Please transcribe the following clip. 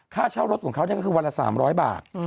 ค่าเช่ารถของเขาก็คือวันละ๓๐๐บาท